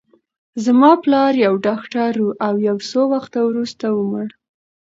زما پلار یو ډاکټر و، او یو څه وخت وروسته ومړ.